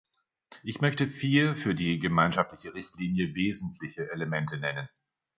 Ich möchte vier für die gemeinschaftliche Richtlinie wesentliche Elemente nennen.